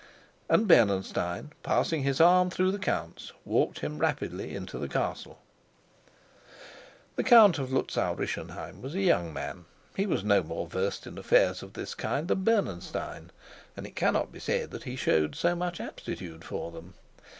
And Bernenstein, passing his arm through the count's, walked him rapidly into the castle. The Count of Luzau Rischenheim was a young man; he was no more versed in affairs of this kind than Bernenstein, and it cannot be said that he showed so much aptitude for them.